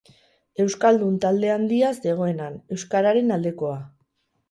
Euskaldun talde handia zegoen han, euskararen aldekoa.